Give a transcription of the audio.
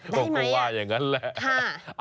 โอ้โหกูว่าอย่างนั้นแหละ